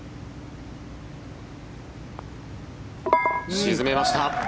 沈めました。